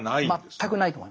全くないと思いますね。